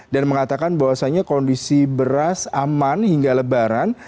dan mengatakan bahwasannya kondisi beras aman hingga lebaran